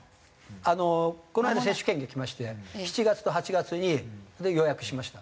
あのこの間接種券が来まして７月と８月に。で予約しました。